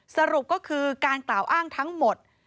สรุปก็คือการกล่าวอ้างทั้งหมด